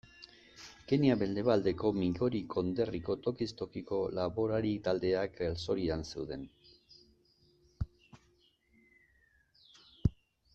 Kenya mendebaldeko Migori konderriko tokiz tokiko laborari taldeak galtzorian zeuden.